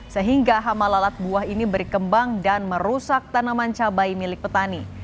sehingga hama lalat buah ini berkembang dan merusak tanaman cabai milik petani